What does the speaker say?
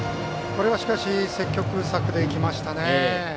これはしかし積極策できましたね。